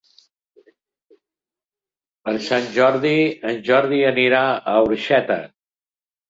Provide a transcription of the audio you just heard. Per Sant Jordi en Jordi anirà a Orxeta.